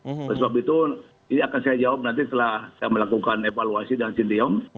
oleh sebab itu ini akan saya jawab nanti setelah saya melakukan evaluasi dengan sintiong